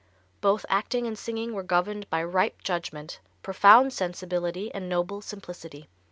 Both acting and singing were governed by ripe judgment, profound sensibility and noble simplicity.